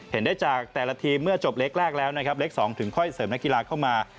เห็นได้จากแต่ละทีมเมื่อจบเล็กแรกแล้วนะครับเลข๒ถึงค่อยเสริมนักกีฬาเข้ามา